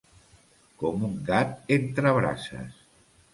Com un gat entre brases.